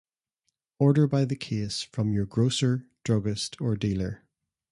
Order by the case from your grocer, druggist, or dealer.